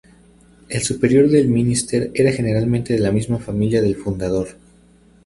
El superior del minster era generalmente de la misma familia del fundador.